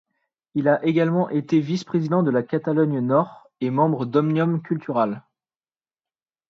Il a également été vice-président de la de Catalogne Nord et membre d'Òmnium Cultural.